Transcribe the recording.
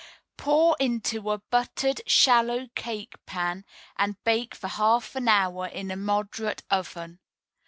Pour into a buttered, shallow cake pan, and bake for half an hour in a moderate oven.